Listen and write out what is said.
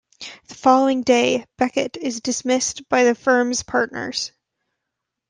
The following day, Beckett is dismissed by the firm's partners.